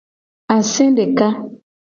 Ase deka.